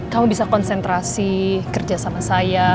kamu bisa konsentrasi kerja sama saya